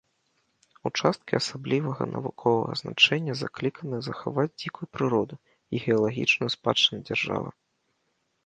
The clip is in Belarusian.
Участкі асаблівага навуковага значэння закліканы захаваць дзікую прыроду і геалагічную спадчыну дзяржавы.